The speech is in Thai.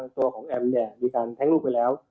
ตัวของแอมมีการแท็งลูกไปแล้ว